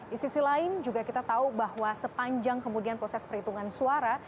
di sisi lain juga kita tahu bahwa sepanjang kemudian proses perhitungan suara